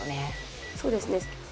「そうですね」